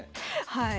はい。